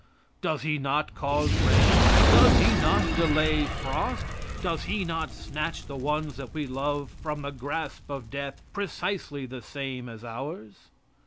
Does he not cause rain? Does he not delay frost? Does he not snatch the ones that we love from the grasp of death precisely the same as ours?